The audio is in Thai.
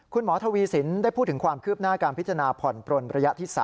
คุณหมอทวีสินได้พูดถึงความคืบหน้าการพิจารณาผ่อนปลนระยะที่๓